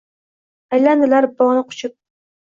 Aylandilar bog‘ni quchib.